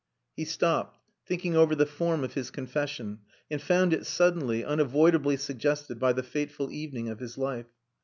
He stopped, thinking over the form of his confession, and found it suddenly, unavoidably suggested by the fateful evening of his life.